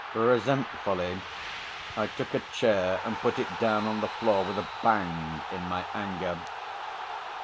Resentfully I took a chair and put it down on the floor with a bang, in my anger.